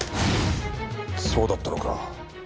そうだったのか。